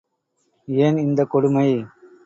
ஏன் இந்தக் கொடுமை?